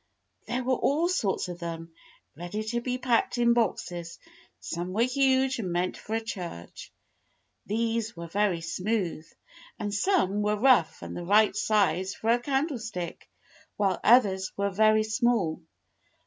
There were all sorts of them, ready to be packed in boxes; some were huge and meant for a church. These were very smooth; and some were rough and the right size for a candle stick, while others were very small.